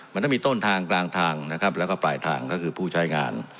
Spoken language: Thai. มันต้องมีต้นทางกลางทางนะครับแล้วก็ปลายทางก็คือผู้ใช้งาน